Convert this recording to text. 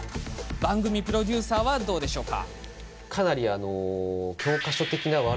番組プロデューサーはどうでしょうか。